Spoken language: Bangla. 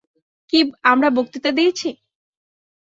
কী, আমরা বক্তৃতা দিয়েছি?